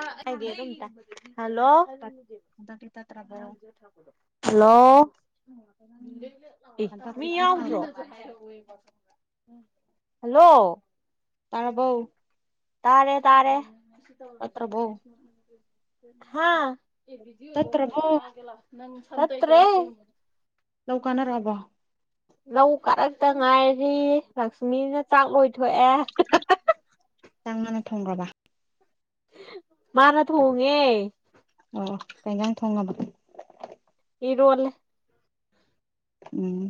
ꯥꯏ ꯑꯗꯨ [unintelligible] ꯍꯜꯂꯣ ꯍꯟꯗꯛꯇꯤ ꯇꯠꯇ꯭ꯔꯕꯣ ꯍꯜꯂꯣ ꯍꯟꯗꯛꯇꯤ ꯃꯤ ꯌꯥꯝꯎꯗ꯭ꯔꯣ ꯇꯠꯇ꯭ꯔꯕꯣ ꯍꯜꯂꯣ ꯇꯥꯔꯕꯣ ꯇꯔꯦ ꯇꯥꯔꯦ ꯇꯠꯇ꯭ꯔꯕꯣ ꯍꯥ ꯑꯦ ꯕꯤꯗꯤ ꯑꯣꯏꯗꯣ ꯇꯠꯇ꯭ꯔꯕꯣ ꯑꯗꯨ ꯊꯒꯦ ꯅꯪ ꯂꯧꯀꯅ ꯔꯥꯕꯣ ꯂꯧ ꯀꯥꯔꯛꯇ ꯉꯥꯏꯔꯤ ꯂꯛꯁꯃꯤꯅ ꯆꯥꯛ ꯂꯣꯏꯊꯣꯛꯑꯦ ꯆꯥꯛ ꯃꯥꯅ ꯊꯣꯡꯈ꯭ꯔꯕ ꯃꯥꯅ ꯊꯣꯡꯉꯦ ꯑꯣ ꯑꯣ ꯀꯩ ꯏꯟꯖꯥꯡ ꯊꯣꯡꯉꯥꯕ ꯏꯔꯣꯜꯂꯦ ꯎꯝ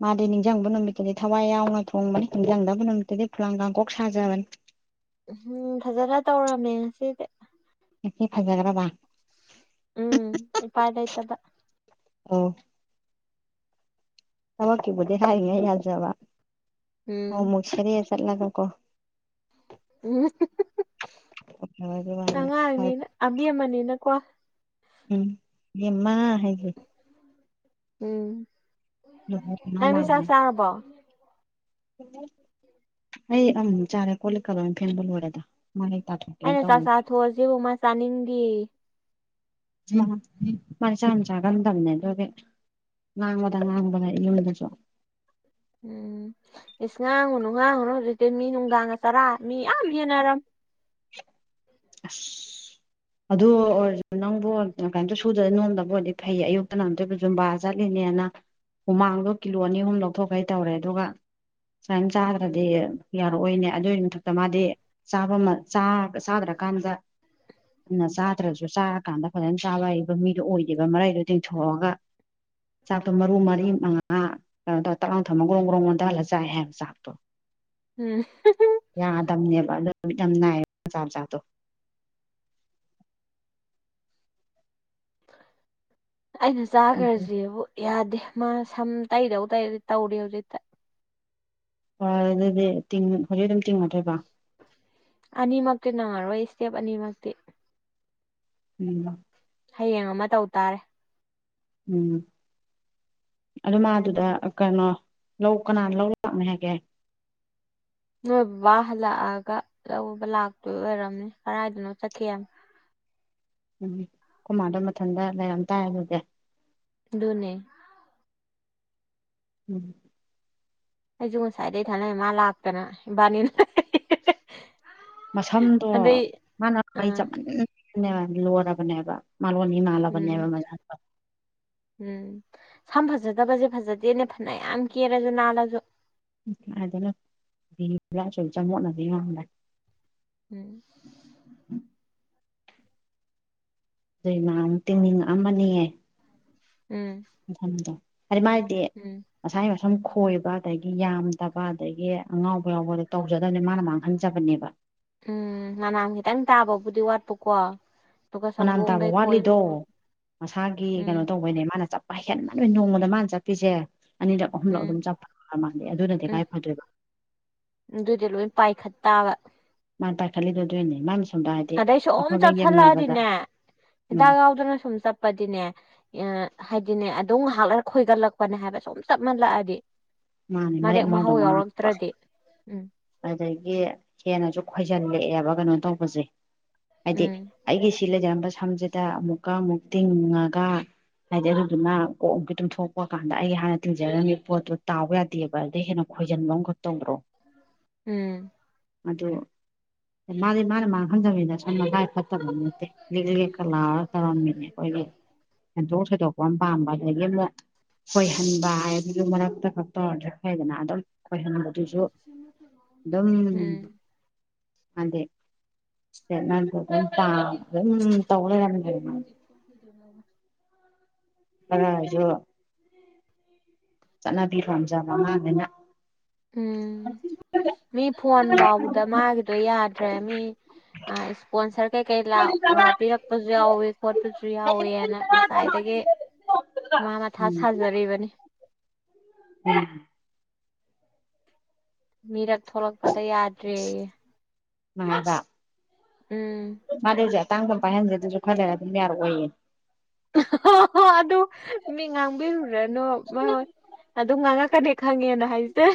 ꯃꯥꯗꯤ ꯅꯤꯡꯁꯤꯡꯕ ꯅꯨꯃꯤꯠꯇꯗꯤ ꯊꯋꯥꯏ ꯌꯥꯎꯅ ꯊꯣꯡꯕꯅꯤ ꯅꯤꯡꯁꯤꯡꯗꯕ ꯅꯨꯃꯤꯠꯇꯨꯗꯤ ꯐꯂꯥꯡ ꯀꯥꯡꯀꯣꯛ ꯁꯥꯖꯕꯅꯤ ꯎꯝ ꯐꯖꯅ ꯇꯧꯔꯝꯃꯦ ꯉꯁꯤꯗꯤ ꯉꯁꯤ ꯐꯖꯒ꯭ꯔꯥꯕ ꯎꯝ ꯎꯄꯥꯏ ꯂꯩꯇꯕ ꯑꯣ ꯊꯕꯛꯀꯤꯕꯨꯗꯤ ꯍꯥꯏꯔꯤꯉꯩ ꯌꯥꯖꯕ ꯑꯃꯨꯛ ꯎꯝ ꯑꯃꯨꯛ ꯁꯦꯔꯦ ꯆꯠꯂꯒꯀꯣ ꯎꯝ ꯇꯧꯈ꯭ꯔꯕꯒꯤ ꯋꯥꯅꯤ ꯑꯉꯥꯡꯅꯤꯅ ꯑꯕꯦꯃꯅꯤꯅꯀꯣ ꯎꯝ ꯌꯦꯃ [unintelligible] ꯍꯥꯏꯒꯤꯦ [unintelligible] ꯎꯝ ꯅꯪꯗꯤ ꯆꯥꯛ ꯆꯥꯔꯕꯣ ꯑꯩ ꯑꯂꯨ ꯆꯥꯔꯦ ꯀꯣꯂꯤꯛꯀ ꯂꯣꯏ ꯐꯦꯡꯕ ꯂꯣꯏꯔꯦꯗ ꯃꯥꯏ ꯇꯥꯊꯣꯛꯀꯦꯅ ꯑꯩꯅ ꯆꯥꯛ ꯇꯧꯅꯤ ꯆꯥꯊꯣꯛꯑꯁꯤꯕꯨ ꯃꯥ ꯆꯥꯅꯤꯡꯗꯦꯌꯦ ꯃꯗꯤ ꯆꯥꯛꯌꯥꯝ ꯆꯥꯒꯟꯗꯕꯅꯦ ꯑꯗꯨꯒꯤ ꯉꯥꯡꯕꯗ ꯉꯥꯡꯕꯗ ꯌꯦꯝꯗꯁꯨ ꯎꯝ ꯏꯁꯁ ꯉꯥꯡꯉꯨꯅꯨ ꯉꯥꯡꯉꯨꯅꯨ ꯍꯧꯖꯤꯛꯇꯤ ꯃꯤ ꯅꯨꯡꯗꯥꯡꯒ ꯆꯔꯥ ꯃꯤ ꯌꯥꯝ ꯍꯦꯟꯅꯔꯝꯅꯤ [unintelligible] [inaudible] [unintelligible] ꯑꯁ ꯑꯗꯨ ꯑꯣꯏꯔꯁꯨ ꯅꯪꯕꯨ ꯀꯩꯃꯇ ꯁꯨꯗꯕ ꯅꯣꯝꯗꯕ ꯑꯣꯏꯔꯗꯤ ꯐꯩ ꯑꯌꯨꯛꯇꯅ ꯑꯃꯨꯛꯇꯣꯏꯕ ꯖꯨꯝꯕꯥ ꯆꯠꯂꯤ ꯅꯦꯅ ꯍꯨꯃꯥꯡꯗꯣ ꯀꯤꯂꯣ ꯑꯅꯤ ꯑꯍꯨꯝ ꯂꯧꯊꯣꯛꯈꯩ ꯇꯧꯔꯦ ꯑꯗꯨꯒ ꯁꯨꯃꯥꯏꯅ ꯆꯥꯗ꯭ꯔꯗꯤ ꯌꯥꯎꯔꯛꯑꯣꯏꯅꯦ ꯑꯗꯨꯒꯤ ꯃꯊꯛꯇ ꯃꯥꯗꯤ ꯆꯥꯕ ꯃꯥ ꯆꯥꯗ꯭ꯔ ꯀꯥꯟꯗ ꯑꯗꯨꯅ ꯆꯥꯗ꯭ꯔꯁꯨ ꯆꯥꯔꯀꯥꯟꯗ ꯐꯖꯅ ꯆꯥꯕ ꯍꯕ ꯃꯤꯗꯣ ꯑꯣꯏꯗꯦꯕ ꯃꯔꯩꯗꯣ ꯇꯤꯡꯊꯣꯛꯑꯒ ꯆꯥꯛꯇꯣ ꯃꯔꯨ ꯃꯔꯤ ꯃꯉꯥ ꯀꯩꯅꯣ ꯇꯧ ꯇꯛꯅ ꯊꯝꯃꯥ ꯒ꯭ꯔꯣꯡ ꯒ꯭ꯔꯣꯡ ꯑꯣꯟꯗ ꯍꯜꯂ ꯆꯥꯏ ꯍꯥꯏꯕ ꯆꯥꯛꯇꯣ ꯎꯝ ꯌꯥꯗꯝꯕꯅꯦꯕ ꯑꯗꯨ ꯅꯨꯃꯤꯠ ꯌꯥꯝ ꯅꯥꯏꯔ ꯆꯥꯥ ꯆꯥꯗ ꯑꯩꯅ ꯆꯥꯈ꯭ꯔꯁꯕꯨ ꯌꯥꯗꯦ ꯃꯥ ꯁꯝ ꯇꯩꯗꯧ ꯇꯩꯔꯗꯤ ꯇꯧꯔꯦ ꯍꯧꯖꯤꯛꯇ ꯍꯣꯏ ꯑꯗꯨꯗꯤꯡ ꯍꯧꯖꯤꯛ ꯑꯗꯨꯝ ꯇꯤꯡꯉꯗꯣꯏꯕ ꯑꯅꯤꯃꯛꯇꯤ ꯅꯪꯉꯔꯣꯏ ꯏꯁꯇꯦꯞ ꯑꯅꯤꯃꯛꯇꯤ ꯎꯝ ꯍꯌꯦꯡ ꯑꯃ ꯇꯧ ꯇꯥꯔꯦ ꯎꯝ ꯑꯗꯨ ꯃꯥꯗꯨꯗ ꯀꯩꯅꯣ ꯂꯧ ꯀꯅꯥꯅ ꯂꯧ ꯂꯥꯛꯅꯤ ꯍꯥꯏꯒꯦ ꯅꯣꯏ ꯕꯕꯥ ꯍꯜꯂꯛꯑꯒ ꯂꯧꯕ ꯂꯥꯛꯇꯣꯏ ꯑꯣꯏꯔꯝꯅꯦ ꯀꯗꯥꯥꯏꯏꯗꯅꯣ ꯆꯠꯈꯤ [inaudible] ꯎꯝ ꯀꯃꯥꯗ ꯃꯊꯟꯇ ꯂꯩꯔꯝ ꯇꯥꯏ ꯑꯗꯨꯗꯤ ꯑꯗꯨꯅꯦ ꯎꯝ ꯑꯩꯁꯨ ꯉꯁꯥꯏꯗꯒꯤꯩ ꯊꯥꯅꯩ ꯃꯥ ꯂꯥꯛꯇꯅ ꯏꯕꯥꯅꯤꯅ ꯃꯁꯝꯗꯣ ꯑꯗꯩ ꯃꯥꯅ ꯃꯩ ꯑꯥ ꯆꯃꯟꯅꯦ ꯂꯣꯏꯔꯕꯅꯦꯕ ꯃꯥꯜ ꯋꯥꯅꯤ ꯎꯝ ꯃꯥꯂꯕꯅꯤꯕ ꯃꯥ ꯎꯝ ꯁꯝ ꯐꯖꯗꯕꯁꯦ ꯐꯖꯗꯦꯅꯦ ꯐꯅ ꯌꯥꯝ ꯀꯦꯔꯁꯨ ꯅꯥꯜꯂꯁꯨ ꯎ ꯍꯥꯏꯗꯅ ꯂꯥꯛꯁꯨ ꯆ ꯃꯣꯠꯅꯅꯕ ꯃꯟꯕꯅꯦ ꯎꯝ ꯑꯗꯨꯏꯃꯨ ꯇꯤꯡꯅꯤꯡꯉꯛ ꯑꯃꯅꯤꯌꯦ ꯎꯝ ꯊ ꯍꯥꯏꯗꯤ ꯃꯥꯗꯤ ꯎꯝ ꯃꯁꯥꯒꯤ ꯁꯨꯝ ꯈꯣꯏꯕ ꯑꯗꯒꯤ ꯌꯥꯝꯗꯕ ꯑꯗꯒꯤ ꯑꯉꯥꯎꯕ ꯌꯥꯎꯕ ꯇꯧꯖꯗꯕꯅꯦ ꯃꯥꯅ ꯃꯥꯡꯍꯟꯖꯕꯅꯦꯕ ꯎꯝ ꯉꯅꯥꯝ ꯈꯤꯇꯪ ꯇꯥꯕꯕꯨꯗꯤ ꯋꯥꯠꯄꯀꯣ ꯑꯗꯨꯒ ꯃꯅꯥ ꯇꯕ ꯁꯪꯒꯣꯝꯗꯩ ꯈꯣꯏꯕ ꯋꯥꯠꯂꯤꯗꯣ ꯃꯁꯥꯒꯤ ꯀꯩꯅꯣ ꯎꯝ ꯇꯧꯕꯩꯅꯦ ꯃꯥꯅ ꯆꯠꯄ ꯍꯩꯍꯦꯟꯕ ꯅꯣꯏ ꯅꯣꯡꯃꯗ ꯃꯥꯅ ꯆꯠꯄ ꯄꯤꯁꯦ ꯑꯅꯤꯔꯛ ꯑꯍꯨꯝꯂꯛ ꯑꯗꯨꯝ ꯎꯝ ꯆꯞ꯭ꯔ ꯃꯥꯜꯂꯦ ꯑꯗꯨꯅꯗꯤ ꯎꯝ ꯀꯥꯏ ꯐꯗꯣꯏꯕ ꯑꯗꯨꯗꯤ ꯂꯣꯏ ꯄꯥꯏꯈꯠ ꯇꯥꯕ ꯃꯥꯅ ꯄꯥꯏꯈꯠꯜꯂꯤꯗꯣ ꯑꯗꯨꯣꯏꯅꯦ ꯃꯥꯁ ꯑꯗꯩ ꯁꯣꯝ ꯆꯠꯁꯤꯜꯂꯛꯑꯗꯤꯅꯦ ꯎꯝ ꯍꯤꯗꯥꯛ ꯌꯥꯎꯗꯅ ꯁꯨꯝ ꯆꯠꯄꯗꯤꯅꯦ ꯍꯥꯏꯗꯤꯅꯦ ꯑꯗꯨꯝ ꯉꯍꯥꯛꯂꯒ ꯈꯣꯏꯒꯠꯂꯛꯄꯅꯦ ꯍꯥꯏꯕ ꯁꯨꯝ ꯆꯞ ꯃꯥꯜꯂꯛꯑꯗꯤ ꯃꯥꯅꯦ ꯃꯔꯦꯛ ꯃꯥꯎꯗ ꯃꯥꯉꯄ ꯎꯝ ꯑꯗꯒꯤ ꯍꯦꯟꯅꯁꯨ ꯈꯣꯏ ꯜꯂꯛꯑꯦꯕ ꯀꯩꯅꯣ ꯇꯧꯕꯁꯦ ꯍꯥꯏꯗꯤ ꯎꯝ ꯑꯩꯒꯤ ꯁꯤ ꯂꯩꯖꯔꯝꯕ ꯃ ꯁꯝꯁꯤꯗ ꯑꯃꯨꯛꯀ ꯑꯃꯨꯛ ꯇꯤꯡꯉꯒ ꯍꯥꯏꯗꯤ ꯑꯗꯨꯗꯨꯅ ꯀꯣꯛꯝꯒꯤ ꯇꯝꯊꯣꯛꯄ ꯀꯥꯟꯗ ꯑꯩ ꯍꯥꯟꯅ ꯇꯤꯡꯖꯔꯝꯃꯤ ꯄꯣꯠꯇꯨꯣ ꯇꯥꯎꯕ ꯌꯥꯗꯦꯕ ꯑꯗꯨꯗꯩ ꯍꯦꯟꯅ ꯈꯣꯏꯖꯟꯕ ꯑꯃꯈꯛ ꯇꯧꯕ꯭ꯔꯣ ꯎꯝ ꯑꯗꯨ ꯃꯥꯗꯤ ꯃꯥꯅ ꯃꯥꯅ ꯈꯪꯗꯕꯅꯤꯅ ꯁꯝꯅꯥꯏ ꯐꯠꯇ ꯇꯝ ꯅꯦ ꯂꯤ ꯀꯂꯥ ꯇꯔꯝꯃꯤꯅꯦ ꯑꯩꯣꯏ ꯁꯦꯟꯊꯣꯛ ꯁꯣꯏꯗꯣꯛꯄ ꯑꯃ ꯄꯥꯝꯕ ꯑꯗꯒꯤ ꯑꯃꯨꯛ ꯈꯣꯏꯍꯟꯕ ꯍꯥꯏꯕꯗꯨ ꯃꯔꯛꯇ ꯇꯣꯔꯤ ꯍꯥꯏꯗꯅ ꯑꯗꯨꯗꯣ ꯎꯝ ꯑꯗꯦ ꯅ ꯑꯗꯨꯝ ꯇꯗ [unintelligible] [inaudible] ꯑ ꯌꯣ ꯆꯠꯅꯕꯤ ꯄꯖꯥꯕ ꯑꯉꯥꯡꯅꯤꯅ ꯎꯝ ꯃꯤ ꯐꯣꯟ ꯐꯥꯎꯕꯗ ꯃꯥꯒꯤꯗꯣ ꯌꯥꯗ꯭ꯔꯦ ꯃꯤ ꯑ ꯏꯁꯄꯣꯟꯁꯔ ꯀꯩ ꯀꯩ ꯂ ꯄꯤꯔꯛꯄꯁꯨ ꯌꯥꯎꯋ ꯈꯣꯠꯄꯁꯨ ꯌꯥꯎꯋꯤꯅ ꯉꯁꯥꯏꯗꯒꯤ ꯃꯥ ꯃꯊꯥ ꯎꯝ ꯁꯥꯖꯔꯤꯕꯅꯤ ꯎꯝ ꯃꯤꯔꯛ ꯊꯣꯛꯂꯛꯄꯗ ꯌꯥꯗ꯭ꯔꯦ ꯃꯥꯗ ꯃꯥꯗꯦꯖꯦ ꯇꯥꯡ ꯄꯥꯏ ꯍꯟꯁꯦ ꯑꯗꯨꯁꯨ ꯈꯔꯂꯔ ꯑꯗꯨꯝ ꯌꯥꯔ ꯑꯣꯏꯌꯦ ꯑꯗꯨ ꯃꯤ ꯉꯥꯡꯕꯤꯔꯨꯔꯅꯨꯣꯏ ꯑꯗꯨꯝ ꯉꯥꯡꯉ ꯀꯅꯦ ꯈꯪꯉꯦꯅ ꯍꯥꯏꯁꯇ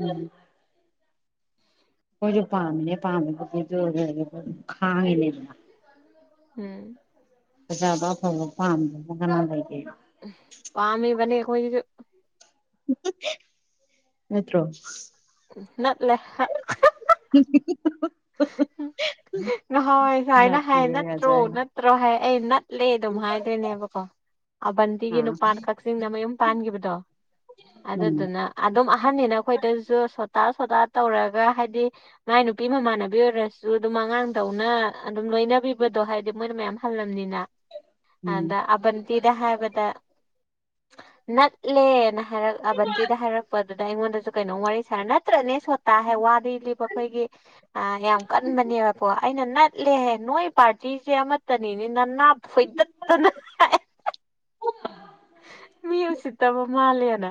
ꯎꯝ ꯍꯧꯖ ꯄꯥꯃꯤꯅꯦ ꯄꯥꯃꯤꯕꯨꯗꯤ ꯈꯥꯉꯤꯅꯤꯗꯅ ꯎꯝ ꯂꯥꯕ ꯑꯐꯕ ꯄꯥꯝꯗꯕꯨ ꯀꯅꯥ ꯂꯩ ꯄꯥꯝꯃꯤꯕꯅꯦ ꯑꯈꯣꯏꯖꯨ ꯅꯠꯇ꯭ꯔꯣ ꯅꯠꯂꯦ [unintelligible] ꯅꯍꯣꯏ ꯁꯨꯃꯥꯏꯅ ꯍꯥꯏ ꯅꯠꯂꯤꯖꯣꯏ ꯅꯠꯇ꯭ꯔꯣ ꯅꯠꯇ꯭ꯔꯣ ꯍꯥꯏ ꯑꯩ ꯅꯠꯂꯦ ꯑꯗꯨꯝ ꯍꯥꯏꯗꯣꯏꯅꯦꯕꯀꯣ ꯑꯕꯟꯗꯤꯒꯤ ꯑꯥ ꯅꯨꯄꯥꯥꯟ ꯀꯛꯆꯤꯡꯅ ꯃꯌꯨꯝ ꯄꯥꯟꯒꯤꯕꯗꯣ ꯑꯗꯨꯗꯨꯅ ꯎꯝ ꯑꯗꯨꯝ ꯑꯍꯟꯅꯤꯅ ꯑꯩꯈꯣꯏꯗꯁꯨ ꯁꯣꯠ ꯇꯥ ꯁꯣꯇꯥ ꯇꯧꯔꯒ ꯍꯥꯏꯗꯤ ꯃꯥꯏ ꯅꯨꯄꯤ ꯃꯃꯥꯟꯅꯕꯤ ꯑꯣꯏꯔꯁꯨ ꯑꯗꯨꯝ ꯑꯉꯥꯡ ꯇꯧꯅ ꯑꯗꯨꯝ ꯂꯣꯏꯅꯕꯤꯕꯗꯣ ꯍꯥꯏꯗꯤ ꯃꯣꯏꯅ ꯃꯌꯥꯝ ꯍꯜꯂ ꯅꯤꯅ ꯑꯗ ꯑꯕꯟꯇꯤꯗ ꯍꯥꯏꯕꯗ ꯅꯠꯂꯦꯅ ꯍꯥꯏꯔꯛ ꯑꯕꯟꯇꯤꯗ ꯍꯥꯏꯔꯛꯄꯗꯨꯗ ꯑꯩꯉꯣꯟꯗꯁꯨ ꯀꯩꯅꯣꯝ ꯋꯥꯔꯤ ꯁꯥꯔ ꯅꯠ ꯇ꯭ꯔꯅꯦ ꯁꯣꯇꯥ ꯍꯥꯏ ꯋꯥꯗꯩ ꯂꯤꯕ ꯑꯩꯈꯣꯏꯒꯤ ꯑ ꯌꯥꯝ ꯀꯟꯕꯅꯦꯕ ꯑꯩꯅ ꯅꯠꯂꯦꯍꯦ ꯅꯣꯏ ꯄꯥꯔꯇꯤꯁꯦ ꯑꯃꯠꯇꯅꯤꯅꯦ ꯅꯅꯥ ꯐꯣꯏꯗꯠꯇꯅ ꯍꯥꯏ ꯃꯤ ꯎ ꯁꯤꯠꯇꯕ ꯃꯥꯜꯂꯦꯅ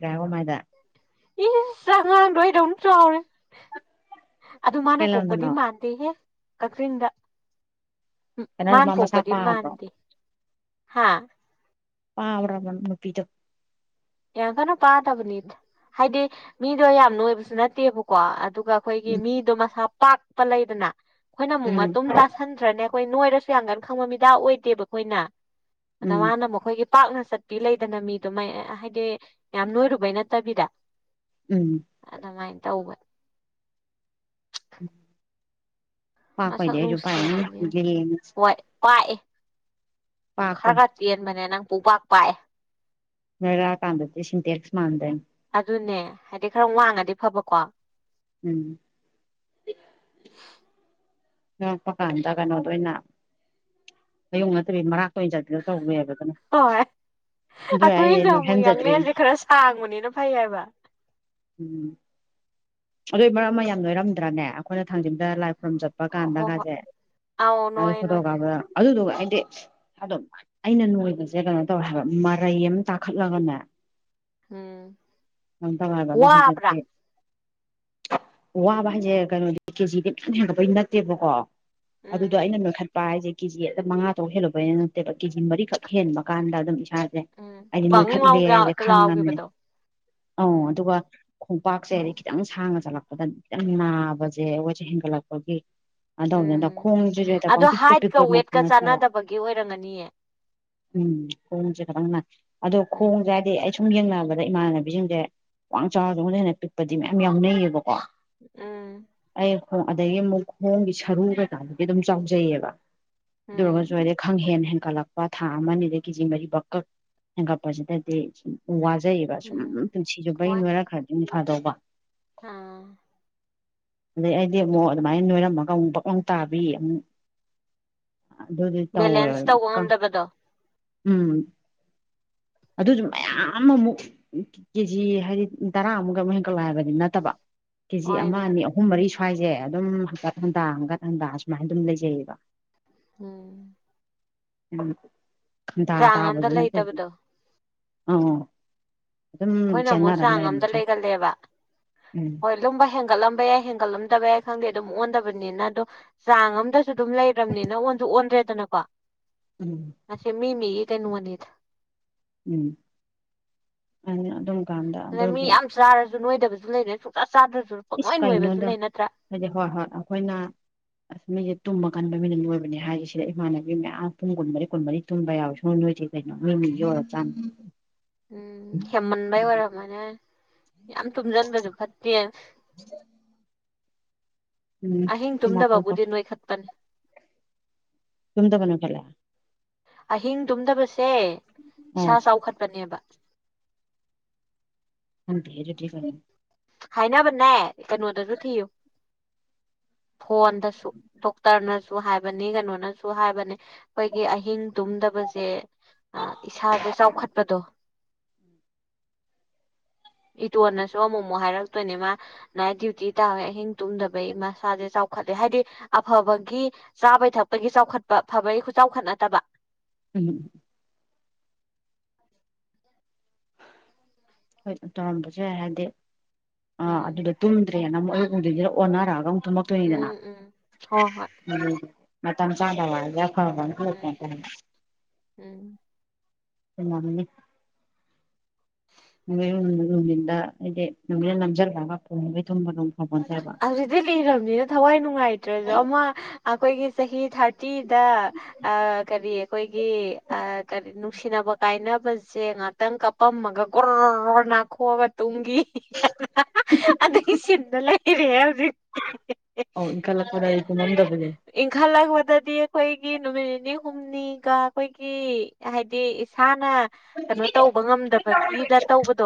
ꯔꯕ ꯃꯥꯏꯗ ꯏ ꯆꯉꯥꯡꯗꯣꯏꯗꯧꯅ ꯆꯥꯎꯔꯦ ꯑꯗꯨ ꯃꯥꯅ ꯀꯩ ꯄꯣꯛꯄꯗꯤ ꯂꯝꯗꯅꯣ ꯃꯥꯟꯗꯦꯍꯦ ꯀꯛꯆꯤꯡꯗ ꯀꯩꯅꯣ ꯃꯥꯥꯟ ꯃꯥ ꯃꯁꯥ ꯄꯣꯄꯗꯤ ꯄꯥꯕ꯭ꯔꯣ ꯃꯥꯟꯗꯦ ꯍꯥ ꯑꯔ ꯅꯨꯄꯤꯇꯣ ꯌꯥꯝ ꯀꯟꯅ ꯄꯥꯗꯕꯅꯤꯗ ꯍꯥꯏꯗꯤ ꯃꯤꯗꯣ ꯌꯥꯝ ꯅꯣꯏꯕꯁꯨ ꯅꯠꯇꯦꯕꯀꯣ ꯑ ꯗꯨꯒ ꯑꯩꯈꯣꯏꯒꯤ ꯎꯝ ꯃꯤꯗꯣ ꯃꯁꯥ ꯄꯥꯛꯄ ꯂꯩꯗꯅ ꯑꯩꯈꯣꯏꯅ ꯑꯃꯨꯛ ꯎꯝ ꯃꯇꯨꯝ ꯇꯥꯁꯟꯗ꯭ꯔꯅꯦ ꯈꯣꯏ ꯅꯣꯏꯔꯁꯨ ꯌꯥꯝ ꯀꯟ ꯈꯪꯕ ꯃꯤꯗꯥ ꯑꯣꯏꯗꯦꯕ ꯈꯣꯏꯅ ꯑꯗ ꯎꯝ ꯃꯥꯅ ꯈꯣꯏꯒꯤ ꯄꯥꯛꯅ ꯆꯠꯄꯤ ꯂꯩꯗꯅ ꯃꯤꯗꯨꯣ ꯃ ꯍꯥꯏꯗꯤ ꯌꯥꯝ ꯅꯣꯏꯔꯨꯕꯩ ꯅꯠꯇꯕꯤꯗ ꯎꯝ ꯑꯗꯨꯃꯥꯏꯟ ꯇꯧꯕ ꯃꯁꯛ ꯄꯥꯛꯄꯩꯗꯤ ꯑꯩꯖꯨ ꯄꯥꯛꯑꯦꯅ ꯅꯨꯡꯁꯤꯕꯅꯦ ꯒꯦꯂꯦꯟ ꯑꯖꯦ ꯍꯣꯏ ꯄꯥꯛꯑꯦ ꯈꯔ ꯈꯔ ꯇꯦꯟꯕꯅꯦ ꯅꯪ ꯄꯨꯡꯄꯥꯛ ꯄꯥꯛꯑꯦ ꯅꯔꯥꯛꯑꯀꯥꯟꯗꯗꯤ ꯁꯤꯟꯇꯦꯛꯁ ꯃꯥꯟꯗꯣꯏꯟ ꯑꯗꯨꯅꯦ ꯍꯥꯏꯗꯤ ꯈꯔ ꯋꯥꯡꯉꯗꯤ ꯐꯕꯀꯣ ꯎꯝ ꯉꯔꯛꯄ ꯀꯥꯟꯗ ꯀꯩꯅꯣꯗ ꯑꯣꯏꯅ ꯑꯌꯨꯛ ꯅꯠꯇꯕꯤ ꯃꯔꯥꯛ ꯀ ꯆꯠꯅ ꯇꯧꯕꯕ ꯑꯣꯏ ꯑꯈꯣꯏꯅ ꯑꯃꯨꯛ ꯅꯣꯏꯍꯟꯖꯗ꯭ꯔꯤꯅꯤ ꯌꯥꯡꯂꯦꯟꯁꯦ ꯈꯔ ꯁꯥꯡꯕꯅꯤꯅ ꯐꯩ ꯍꯥꯏꯕ ꯎꯝ ꯑꯗꯨꯏ ꯃꯔꯝ ꯑꯃ ꯌꯥꯝ ꯂꯣꯏꯔꯝꯗ꯭ꯔꯅꯦ ꯑꯩꯈꯣꯏꯅ ꯊꯥꯡꯖꯤꯡꯗ ꯂꯥꯏ ꯈꯨꯔꯝ ꯆ ꯍꯥꯞꯄ ꯑꯣ ꯍꯣ ꯍꯣꯏ ꯀꯥꯟꯗꯒꯁꯦ ꯑꯥꯎ ꯅꯣꯏ ꯅꯣꯏ ꯐꯣꯇꯣꯒꯇ ꯑꯗꯨꯗꯨꯒ ꯍꯥꯏꯗꯤ ꯑꯝ ꯑꯩꯅ ꯅꯣꯏꯕꯁꯦ ꯀꯩꯅꯣ ꯇꯧꯋꯦ ꯍꯥꯏꯕ ꯃꯔꯩ ꯑꯃ ꯇꯥꯈꯠꯂꯒꯅꯦ ꯎꯝ ꯅꯗꯋꯥꯕꯗ ꯋꯥꯕ꯭ꯔꯥ ꯍꯧꯖꯤꯛꯇꯤ ꯋꯥꯕ ꯍꯥꯏꯁꯦ ꯀꯩꯅꯣꯗꯤ ꯀꯦꯖꯤꯗꯤ ꯌꯥꯝ ꯍꯦꯟꯒꯠꯄꯩ ꯅꯠꯇꯦꯕꯀꯣ ꯎꯝ ꯑꯗꯨꯗꯣ ꯑꯩꯅ ꯅꯣꯏꯈꯠ ꯄꯥ ꯍꯥꯏꯁꯦ ꯀꯦꯖꯤꯗꯝ ꯃꯉꯥ ꯇꯧꯛ ꯍꯦꯜꯂꯛꯄꯩꯅ ꯅꯠꯇꯦꯕ ꯀꯦꯖꯤ ꯃꯔꯤꯈꯛ ꯍꯦꯟꯕ ꯀꯥꯟꯗ ꯑꯗꯨꯝ ꯏꯁ ꯏꯁꯥꯁꯦ ꯎꯝ ꯑꯩꯗꯤ ꯕꯪ ꯂꯥꯎꯅ ꯅꯣꯏꯈꯠꯂꯦꯁꯦ ꯈꯪꯉꯅꯤ ꯂꯥꯎꯈꯤꯕꯗꯣ ꯑ ꯎꯝ ꯑꯗꯨꯒ ꯈꯣꯡꯄꯥꯛꯁꯦ ꯍꯥꯏꯗꯤ ꯈꯤꯇꯪ ꯁꯥꯡꯉ ꯆꯠꯂꯛꯄꯗ ꯈꯤꯇꯪ ꯅꯥꯕꯁꯦ ꯑꯩꯈꯣꯏꯁꯦ ꯍꯦꯟꯒꯠꯂꯛꯄꯒꯤ ꯑꯗꯨꯧꯅꯤꯗ ꯎꯝ ꯈꯣꯡꯁꯤꯁꯨ ꯍꯦꯗ ꯑꯗꯣ ꯄꯪ ꯄꯤꯛꯇ ꯍꯥꯏꯠꯀ ꯄꯤꯛꯄ ꯃꯛꯇ ꯋꯦꯠꯀ ꯅꯠꯇꯕ ꯆꯥꯟꯅꯗꯕꯒꯤ ꯑꯣꯏꯔꯝꯒꯅꯤꯌꯦ ꯎꯝ ꯈꯣꯡꯁꯦ ꯈꯈꯤꯇꯪ ꯅꯥ ꯑꯗꯣ ꯎꯝ ꯈꯣꯡꯁꯦ ꯍꯥꯏꯗꯤ ꯑꯩ ꯁꯨꯝ ꯌꯦꯡꯅꯕꯗ ꯏꯃꯥꯟꯅꯕꯤꯁꯤꯡꯁꯦ ꯋꯥꯡ ꯆꯥꯎꯔ ꯆ ꯑꯩꯗ ꯍꯦꯟꯅ ꯄꯤꯛꯄꯗꯤ ꯃꯌꯥꯝ ꯌꯥꯎꯅꯩꯌꯦꯕꯀꯣ ꯎꯝ ꯑꯩ ꯑꯗꯒꯤ ꯑꯃꯨꯛ ꯈꯣꯡꯒꯤ ꯁꯔꯨ ꯀꯩꯀꯥꯗꯨꯗꯤ ꯑꯗꯨꯝ ꯆꯥꯎꯖꯩꯑꯕ ꯎꯝ ꯔꯒꯖꯋꯥꯗ ꯈꯪꯍꯦꯟ ꯍꯦꯟ ꯍꯦꯟꯒꯠꯂꯛꯄ ꯊꯥ ꯑꯃꯅꯤ ꯑꯗꯒꯤ ꯀ ꯖꯤ ꯃꯔꯤ ꯛꯀꯛ ꯍꯦꯟꯀꯠꯄꯖꯗꯗꯤ ꯎ ꯐꯖꯩꯌꯦꯕ ꯁꯨꯝ ꯎꯝ ꯄꯨꯟꯁꯤꯁꯨ ꯕꯩ ꯍꯣꯏ ꯂꯣꯏꯔ ꯈ꯭ꯔꯗꯤ ꯐꯗꯧꯕ ꯑꯥ ꯑꯗꯨꯗꯩ ꯑꯩꯗꯤ ꯑꯃꯨꯛ ꯑꯗꯨꯃꯥꯏꯅ ꯅꯣꯏꯔꯝꯃꯒ ꯑꯃꯨꯛ ꯄꯛꯂꯪ ꯇꯥꯕꯤ ꯑꯃꯨꯛ ꯑꯗꯨꯗꯤ ꯇꯧꯋꯦ ꯕꯦꯂꯦꯟꯁ ꯇꯧꯕ ꯉꯝꯗꯕꯗꯣ ꯎꯝ ꯑꯗꯨꯁꯨ ꯃꯌꯥꯝꯃꯨꯛ ꯀꯦꯖꯤ ꯍꯥꯏꯗꯤ ꯇꯔꯥꯃꯨꯛꯀ ꯑꯃꯨꯛ ꯍꯦꯟꯀꯠꯂꯛ ꯍꯥꯏꯕꯗꯤ ꯅꯠꯇꯕ ꯀꯦꯖꯤ ꯑꯃ ꯍꯣꯏꯅꯦ ꯑꯅꯤ ꯑꯍꯨꯝ ꯃꯔꯤ ꯁ ꯭ꯋꯥꯏꯁꯦ ꯑꯗꯨꯝ ꯍꯀꯠ ꯍꯟꯇꯥ ꯍꯟꯀꯠ ꯍꯟꯇꯥ ꯁꯨꯃꯥꯏꯅ ꯑꯗꯨꯝ ꯂꯩꯖꯩꯌꯦꯕ ꯎꯝ ꯎꯝꯟꯇꯥ ꯆꯥꯡ ꯑꯝꯗ ꯇꯥꯕꯁꯨ ꯅꯠꯇꯗꯤ ꯂꯩꯇꯕꯗꯣ ꯑꯣ ꯑꯩꯈꯣꯏꯅ ꯑꯃꯨꯛ ꯆꯥꯡ ꯑꯝꯗ ꯂꯩꯒꯜꯂꯦꯕ ꯎꯝ ꯍꯣꯏ ꯂꯨꯝꯕ ꯍꯦꯟꯒꯠꯂꯝꯕ ꯌꯥꯏ ꯍꯦꯟꯒꯠꯂꯝꯗꯕ ꯌꯥꯏ ꯈꯪꯗꯦ ꯑꯗꯨꯝ ꯑꯣꯟꯗꯕꯅꯤꯅ ꯑꯗꯣ ꯆꯥꯡ ꯑꯝꯗꯁꯨ ꯑꯗꯨꯝ ꯂꯩꯔꯕꯅꯤꯅ ꯑꯣꯟꯁꯨ ꯑꯣꯟꯗ꯭ꯔꯦꯗꯅꯀꯣ ꯎꯝ ꯑꯁꯦ ꯃꯤ ꯃꯤꯒꯤ ꯀꯅ ꯃꯅꯤꯠ ꯎꯝ ꯑꯩꯅ ꯑꯗꯨꯝ ꯀꯥꯟꯗ ꯑꯗ ꯃꯤ ꯑꯗꯨꯒꯤ ꯌꯥꯝ ꯆꯥꯔꯁꯨ ꯅꯣꯏꯗꯕꯁꯨ ꯂꯩꯔꯦ ꯁꯨ ꯏꯁ ꯀꯩꯅꯣꯗ ꯍꯥꯏꯗꯤ ꯍꯣꯏ ꯍꯣꯏ ꯑꯩꯈꯣꯏꯅ ꯑꯁꯁ ꯇꯨꯝꯕ ꯀꯟꯕ ꯃꯤꯅ ꯂꯣꯏꯕꯅꯦ ꯍꯥꯏꯁꯤ ꯁꯤꯗ ꯏꯃꯥꯟꯅꯕꯤ ꯃꯌꯥꯝ ꯄꯨꯡ ꯀꯨꯟꯃꯔꯤ ꯀꯨꯟꯃꯔꯤ ꯇꯨꯝꯕ ꯌꯥꯎꯋꯦ ꯁꯣꯏ ꯅꯣꯏꯗꯤꯦ ꯀꯩꯅꯣ ꯋꯥ ꯆ ꯎꯝ ꯍꯦꯃꯟꯕꯏ ꯑꯣꯏꯔꯃꯅꯦ ꯌꯥꯝ ꯇꯨꯝꯁꯤꯟꯕꯁꯨ ꯐꯠꯇꯦ ꯑꯍꯤꯡ ꯎꯝ ꯇꯨꯝꯗꯕꯕꯨꯗꯤ ꯅꯣꯏꯈꯠꯄꯅꯤ ꯇꯃꯤ ꯇ ꯀꯩꯅꯣ ꯐꯦꯂ ꯑꯍꯤꯡ ꯇꯨꯝꯗꯕꯁꯦ ꯑꯣ ꯏꯁꯥ ꯆꯥꯎꯈꯠꯄꯅꯦꯕ ꯍꯗꯤꯂꯤ ꯐꯔꯦ ꯍꯥꯏꯅꯕꯅꯦ ꯀꯩꯅꯣꯗꯁꯨ ꯊꯤꯌꯨ [inaudible] ꯐꯣꯟꯗꯁꯨ ꯗꯣꯛꯇꯔꯅꯁꯨ ꯍꯥꯏꯕꯅꯤ ꯀꯩꯅꯣꯅꯁꯨ ꯍꯥꯏꯕꯅꯤ ꯑꯩꯈꯣꯏꯒꯤ ꯑꯍꯤꯡꯗꯨꯝ ꯈꯪꯗꯕꯁꯦ ꯏꯁꯥꯗ ꯆꯥꯎꯈꯠꯄꯗꯣ ꯎꯝ ꯏꯇꯣꯟꯅꯁꯨ ꯑꯃꯨꯛ ꯨ ꯍꯥꯏꯔꯛꯇꯣꯏꯅꯦ ꯃꯥ ꯅꯥꯏꯠ ꯗ꯭ꯌꯨꯇꯤ ꯇꯥꯋꯦ ꯑꯍꯤꯡ ꯇꯨꯝꯗꯕꯩ ꯃꯁꯥꯁꯦ ꯆꯥꯎꯈꯠꯂꯦ ꯍꯥꯏꯗꯤ ꯑꯐꯕ ꯑꯕꯒꯤ ꯆꯥꯕꯩ ꯊꯛꯄꯒꯤ ꯆꯥꯎꯈꯠꯄ ꯐꯕꯒꯤ ꯆꯥꯎꯈꯠ ꯅꯠꯇꯕ ꯍꯂꯣ ꯍꯣꯏ ꯇꯧꯔꯝꯕꯁꯨ ꯌꯥꯏ ꯍꯥꯏꯗꯤ ꯑ ꯎꯝ ꯑꯗꯨꯗꯣ ꯇꯨꯝꯗ꯭ꯔꯦꯅ ꯑꯃꯨꯛ ꯑꯗꯨꯗꯩꯁꯤꯗ ꯑꯣꯟꯅꯔꯛꯑꯒ ꯑꯃꯨꯛ ꯊꯨꯝꯂꯛꯇꯣꯏꯅꯤꯗꯅ ꯎꯝ ꯎꯝ ꯍꯣꯏ ꯍꯣꯏ ꯎ ꯃ ꯃꯇꯝ ꯆꯗꯥ ꯋꯥ ꯌꯥ ꯈꯕ ꯎꯝ ꯈ ꯎꯝ ꯍ [unintelligible] ꯅꯨꯊꯤꯟꯗ ꯍꯥꯏꯗꯤ ꯅꯨꯃꯤꯠꯅ ꯅꯝꯁꯤꯜꯂꯒ ꯄꯨꯝꯒꯩ ꯇꯨꯝꯕꯗꯣ ꯐꯄꯣꯟꯇꯦꯕ ꯑꯗꯨꯗꯤ ꯂꯤꯔꯕꯅꯤꯅ ꯊꯋꯥꯏ ꯅꯨꯡꯉꯥꯏꯇ꯭ꯔꯁꯨ ꯑꯃ ꯑꯩꯈꯣꯏꯒꯤ ꯆꯍꯤ ꯊꯥꯔꯇꯤꯗ ꯀꯔꯤ ꯑꯩꯈꯣꯏ ꯀꯔꯤ ꯅꯨꯡꯁꯤꯅꯕ ꯀꯥꯏꯅꯕꯁꯦ ꯉꯥꯛꯇꯪ ꯀꯥꯞꯄꯝꯃꯒ ꯈꯣꯛꯑꯒ ꯇꯨꯝꯒꯤ ꯑꯗꯨꯒꯤ ꯁꯤꯟꯗ ꯂꯩ ꯏꯟꯈꯠ ꯑꯧ ꯏꯟꯈꯠꯂꯛꯄꯗꯗꯤ ꯇꯨꯝꯃꯝꯗꯕꯗꯣ ꯍꯜꯂꯛꯞꯗꯗꯤ ꯑꯩꯈꯣꯏꯒꯤ ꯅꯨꯃꯤꯠ ꯅꯤꯅꯤ ꯍꯨꯝꯅꯤꯒ ꯑꯩꯈꯣꯏꯒꯤ ꯍꯥꯏꯗꯤ ꯏꯁꯥꯅ ꯀꯩꯅꯣ ꯇꯧꯕ ꯉꯝꯗꯕꯒꯤꯗ ꯇꯧꯕꯗꯣ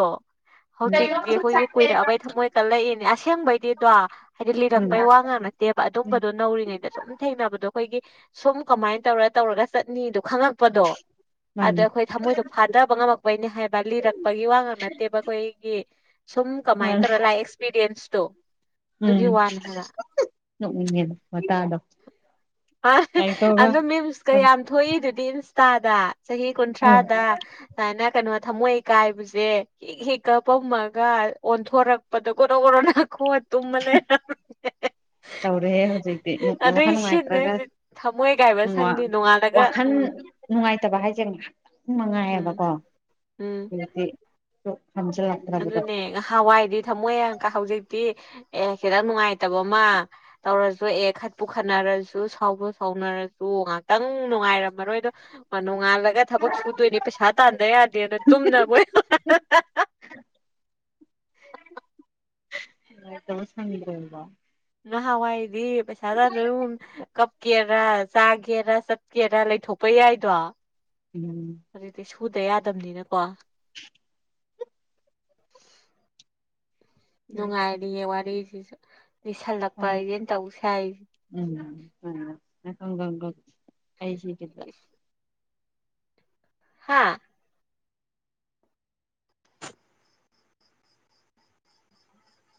ꯍꯧꯖꯤꯛꯇꯤ ꯑꯩꯈꯣꯏꯒꯤ ꯀꯨꯏꯔꯛꯑꯕꯩ ꯊꯝꯃꯣꯏ ꯀꯜꯂꯛꯏꯅꯦ ꯑꯁꯦꯡꯕꯩꯗꯤ ꯑꯣ ꯍꯥꯏꯗꯤ ꯎꯝ ꯂꯤꯔꯛꯄꯩ ꯋꯥ ꯉꯥꯡ ꯅꯠꯇꯦꯕ ꯑꯗꯨꯝꯕꯗꯣ ꯅꯧꯔꯤꯉꯩꯗ ꯁꯨꯝ ꯊꯦꯡꯅꯕꯗꯣ ꯑꯩꯈꯣꯏꯒꯤ ꯁꯨꯝ ꯀꯃꯥꯏꯅ ꯇꯧꯔ ꯇꯧꯔꯒ ꯆꯠꯅꯤꯗꯣ ꯈꯪꯉꯛꯄꯗꯣ ꯑꯗ ꯃꯥꯅꯦ ꯑꯩꯈꯣꯏ ꯊꯃꯣꯏꯗꯣ ꯐꯥꯗꯕ ꯉꯝꯃꯛꯄꯩꯅꯦ ꯍꯥꯏꯕ ꯂꯤꯔꯛꯄꯒꯤ ꯋꯥ ꯉꯛ ꯅꯠꯇꯦꯕ ꯑꯩꯈꯣꯏꯒꯤ ꯁꯨꯝ ꯀꯃꯥꯏ ꯃꯥꯅꯦ ꯇꯧꯔꯒ ꯂꯥꯛꯑꯦ ꯑꯦꯛꯁꯄꯤꯔꯤꯌꯦꯟꯁ ꯇꯣ ꯎꯝ ꯅꯣꯛꯅꯤꯡꯉꯦꯗ ꯋꯇꯗꯣ ꯍꯥ ꯑꯗꯣ ꯃꯤꯝꯁꯀ ꯌꯥꯝ ꯊꯣꯛꯏꯗꯨꯗꯤ ꯏꯟꯁꯇꯥꯗ ꯆꯍꯤ ꯎꯝ ꯀꯨꯟꯊ꯭ꯔꯥꯗꯅ ꯀꯩꯅꯣ ꯊꯝꯃꯣꯏ ꯀꯥꯏꯕꯁꯦ ꯍꯤꯛ ꯍꯤꯛ ꯀꯞꯄꯝꯃꯒ ꯑꯣꯟꯊꯣꯔꯛꯄꯗ ꯒꯣꯔꯣ ꯒꯣꯔꯣ ꯅꯈꯣꯛꯑꯒ ꯇꯧꯔꯦꯍꯦ ꯍꯧꯖꯤꯛꯇꯤ ꯃꯁꯥ ꯑꯗꯨꯏ ꯅꯨꯡꯉꯥꯏ ꯁꯤꯟꯅꯦ ꯈꯔ ꯍꯧꯖꯤꯛ ꯊꯃꯣꯏ ꯀꯥꯏꯕ ꯁꯪꯗꯦ ꯅꯣꯡꯉꯥꯜꯂꯒ ꯋꯥꯈꯜ ꯎꯝ ꯅꯨꯡꯉꯥꯏ ꯐꯠꯇꯕ ꯍꯥꯏꯁꯦ ꯉꯥꯛ ꯎꯝ ꯅꯨꯡꯉꯥꯏꯌꯦꯕꯀꯣ ꯎꯝ ꯑꯗꯨꯗꯤ ꯑꯗꯨꯅꯦ ꯅꯍꯟꯋꯥꯏꯗꯤ ꯊꯝꯃꯣꯏ ꯌꯝ ꯀꯥꯏ ꯍꯧꯖꯤꯛꯇꯤ ꯑꯦ ꯈꯤꯇꯪ ꯅꯨꯡꯉꯥꯏꯇꯕ ꯑꯃ ꯇꯧꯔꯁꯨ ꯑꯦ ꯈꯠꯄꯨ ꯈꯠꯅꯔꯁꯨ ꯁꯥꯎꯕ ꯁꯥꯎꯅꯔ ꯉꯥꯛꯇꯪ ꯅꯨꯡꯉꯥꯏꯔꯝꯃꯔꯣꯏꯗ ꯇꯣꯡꯉꯥꯜꯂꯒ ꯊꯕꯛ ꯁꯨꯗꯣꯏꯅꯦ ꯄꯩꯁꯥ ꯇꯥꯟꯗ ꯌꯥꯗꯦꯗ ꯇꯨꯝꯅꯣꯏ [unintelligible] ꯇꯁ ꯉꯗ꯭ꯔꯗꯣ [unintelligible] ꯅꯍꯥꯟꯋꯥꯏꯗꯤ ꯄꯩꯁꯥ ꯇꯥꯅ ꯑꯗꯨ ꯆꯠꯀꯦꯔꯥ ꯆꯥꯒꯦꯔ ꯆꯠꯀꯦꯔ ꯂꯩꯊꯣꯛꯄ ꯌꯥꯏꯗꯣ ꯎꯝ ꯐꯨꯗ ꯌꯥꯗꯕꯅꯤꯅꯀꯣ ꯅꯨꯡꯉꯥꯏꯔꯤꯌꯦ ꯋꯥꯔꯤꯁꯤꯁꯨ ꯂꯤꯁꯜꯂꯛꯄ ꯍꯥꯏꯁꯦ ꯇꯧ ꯁꯥꯏꯁꯦ ꯑ ꯍꯪ ꯑꯩ ꯁꯤꯈꯤꯗ [unintelligible] ꯍꯥꯥ